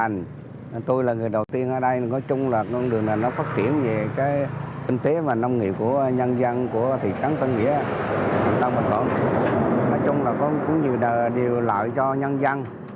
nói chung là có nhiều điều lợi cho nhân dân